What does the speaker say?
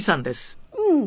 うん！